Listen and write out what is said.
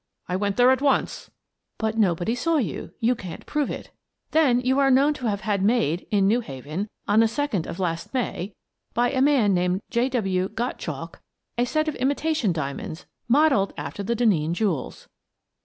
I went there at once." " But nobody saw you ; you can't prove it. Then you are known to have had made, in New Haven, on the second of last May, by a man named J. W. Gottchalk, a set of imitation diamonds, modelled after the Denneen jewels."